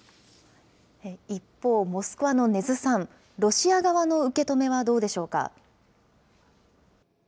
一方、モスクワの禰津さん、ロシア側の受け止めはどうでしょうか。